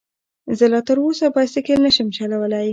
زه لا تر اوسه بايسکل نشم چلولی